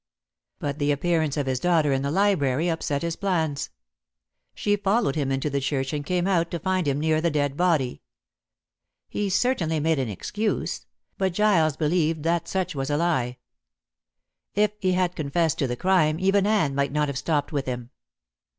But the appearance of his daughter in the library upset his plans. She followed him into the church and came out to find him near the dead body. He certainly made an excuse, but Giles believed that such was a lie. If he had confessed to the crime, even Anne might not have stopped with him.